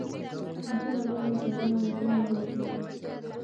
له دې امله یې ساتنه لازمه او ضروري ده.